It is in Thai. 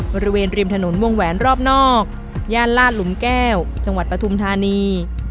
บริเวณริมถนนวงแหวนรอบนอกย่านลาดหลุมแก้วจังหวัดปฐุมธานี